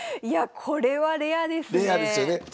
いやこれはレアですね。